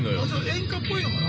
◆演歌っぽいのかな？